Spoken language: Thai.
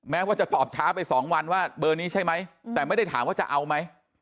ว่าจะตอบช้าไปสองวันว่าเบอร์นี้ใช่ไหมแต่ไม่ได้ถามว่าจะเอาไหม